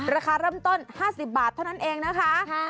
ราคาเริ่มต้น๕๐บาทเท่านั้นเองนะคะ